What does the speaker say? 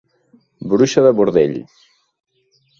Bruixa de bordell.